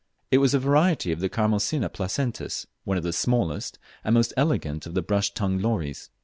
It was a variety of the Charmosyna placentis, one of the smallest and most elegant of the brush tongued lories.